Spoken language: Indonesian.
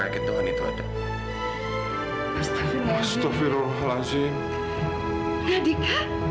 jangan bicara seperti itu nak